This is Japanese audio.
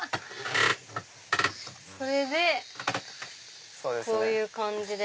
それでこういう感じで。